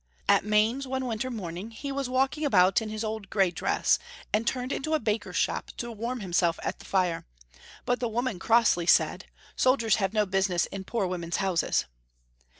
At Mainz one winter morning he was walking about in his old grey dress, and turned in to a baker's shop to warm himself at the fire, but the woman crossly said, " Soldiers have no business in poor women's houses."